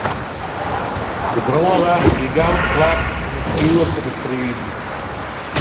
De brânwacht wie gau teplak om it fjoer te bestriden.